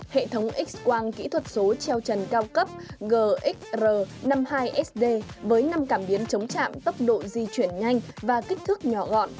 hệ thống x quang kỹ thuật số treo trần cao cấp gxr năm mươi hai sd với năm cảm biến chống chạm tốc độ di chuyển nhanh và kích thước nhỏ gọn